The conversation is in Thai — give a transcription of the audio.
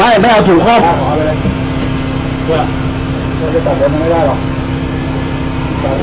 เอาเลยเอาเลยเอาเลยเอาเลยเอาเลยเอาเลยเอาเลยเอาเลยเอาเลย